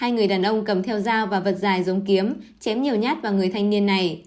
hai người đàn ông cầm theo dao và vật dài giống kiếm chém nhiều nhát vào người thanh niên này